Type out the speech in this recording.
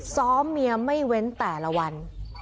ซ้อมเมียไม่เว้นแต่ละวัน